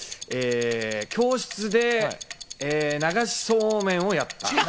教室で流しそうめんをやった。